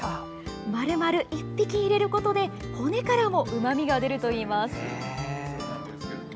丸々１匹入れることで骨からもうまみが出るといいます。